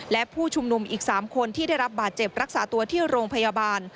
และผู้ชุมนุมอีก๓คนที่ได้รับบาดเจ็บรักษาตัวที่โรงพยาบาล